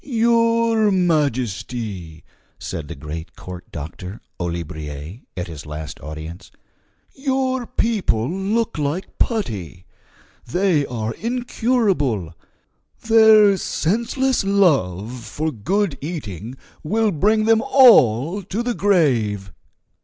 "Your Majesty," said the great court doctor, Olibriers, at his last audience, "your people look like putty! They are incurable; their senseless love for good eating will bring them all to the grave."